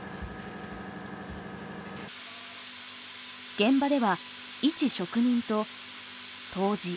現場ではいち職人と杜氏。